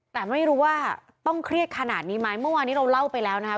แต่ไม่รู้ว่าต้องเครียดขนาดนี้ไหมเมื่อวานนี้เราเล่าไปแล้วนะคะ